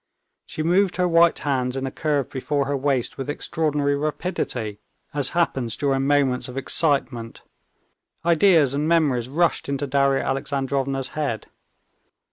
She moved her white hands in a curve before her waist with extraordinary rapidity, as happens during moments of excitement; ideas and memories rushed into Darya Alexandrovna's head.